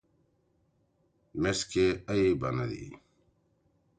ئی بنَدی۔